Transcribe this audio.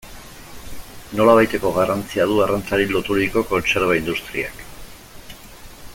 Nolabaiteko garrantzia du arrantzari loturiko kontserba industriak.